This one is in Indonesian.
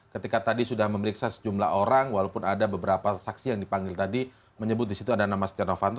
ketika tadi sudah memeriksa sejumlah orang walaupun ada beberapa saksi yang dipanggil tadi menyebut disitu ada nama stiano fanto